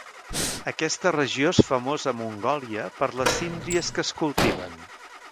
Aquesta regió és famosa a Mongòlia per les síndries que es cultiven.